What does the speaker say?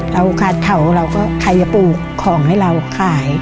เราขาดเผาเราก็ใครจะปลูกของให้เราขาย